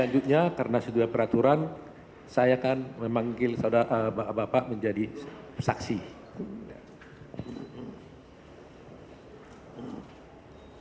itu ada berdua saja bertemu di situ